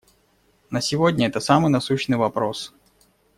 На сегодня это самый насущный вопрос.